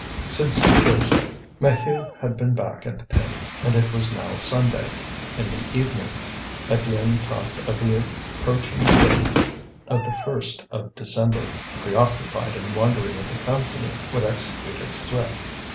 Since Thursday Maheu had been back at the pit and it was now Sunday. In the evening Étienne talked of the approaching date of the 1st of December, preoccupied in wondering if the Company would execute its threat.